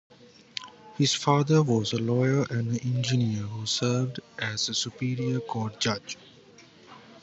His father was a lawyer and engineer who served as a superior court judge.